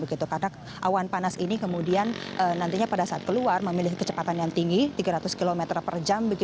karena awan panas ini kemudian nantinya pada saat keluar memilih kecepatan yang tinggi tiga ratus km per jam